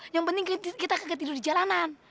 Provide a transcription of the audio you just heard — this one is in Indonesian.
yang penting kita tidur di jalanan